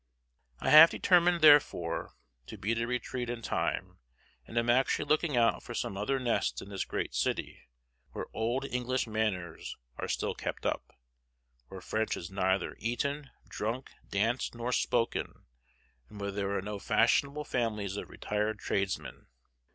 I have determined, therefore, to beat a retreat in time, and am actually looking out for some other nest in this great city where old English manners are still kept up, where French is neither eaten, drunk, danced, nor spoken, and where there are no fashionable families of retired tradesmen.